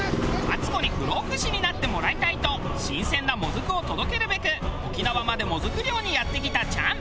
マツコに不老不死になってもらいたいと新鮮なもずくを届けるべく沖縄までもずく漁にやって来たチャン。